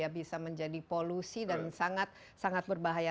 bisa menjadi polusi dan sangat sangat berbahaya